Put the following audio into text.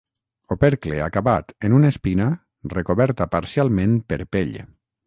Opercle acabat en una espina recoberta parcialment per pell.